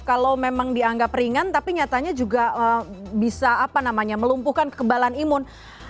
kalau memang dianggap ringan tapi nyatanya juga bisa melumpuhkan kekebalan imun